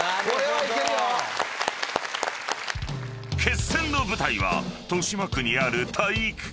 ［決戦の舞台は豊島区にある体育館］